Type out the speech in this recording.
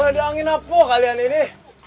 oh ada angin apa kalian ini